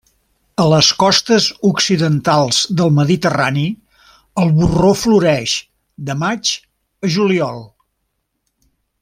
A les costes occidentals del Mediterrani el borró floreix de maig a juliol.